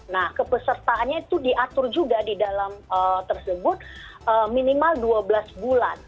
nah kepesertaannya itu diatur juga di dalam tersebut minimal dua belas bulan